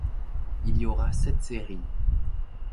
Il y aura sept séries.